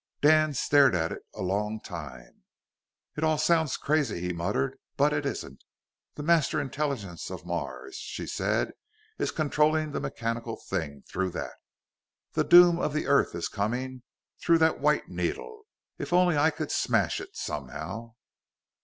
Dan stared at it a long time. "It all sounds crazy," he muttered, "but it isn't! The Master Intelligence of Mars, she said, is controlling the mechanical things through that! The doom of the Earth is coming through that white needle! If only I could smash it, somehow!"